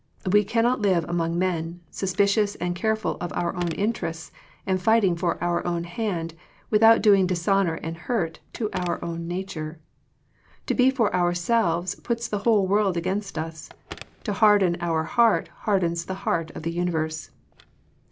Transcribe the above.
We cannot live among men, suspicious, and careful of our own interests, and fighting for our own hand, without doing dishonor and hurt to our own nature. To be for our selves puts the whole world against us. To harden our heart hardens the heart of the universe.